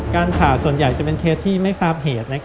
การผ่าส่วนใหญ่จะเป็นเคสที่ไม่ทราบเหตุ